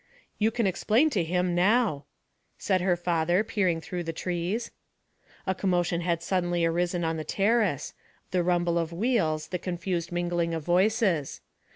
'You can explain to him now,' said her father, peering through the trees. A commotion had suddenly arisen on the terrace the rumble of wheels, the confused mingling of voices.